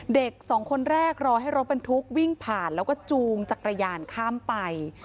เด็กสองคนแรกรอให้รถบรรทุกวิ่งผ่านแล้วก็จูงจักรยานข้ามไป